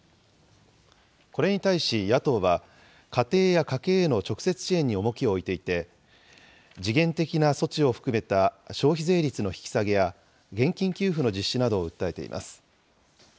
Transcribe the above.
これに対し野党は、家庭や家計への直接支援に重きを置いていて、時限的な措置を含めた消費税率の引き上げや、現金給付の実施などを訴えています。